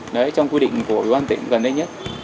đấy trong quy định của ủy ban tỉnh gần đây nhất